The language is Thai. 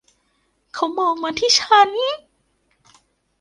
เขามองมาที่ฉัน.